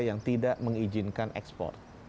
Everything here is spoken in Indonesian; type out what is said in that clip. yang tidak mengizinkan ekspor